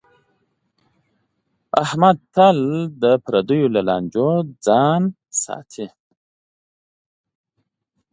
احمد تل له پردیو لانجو ځان څنډې ته کوي.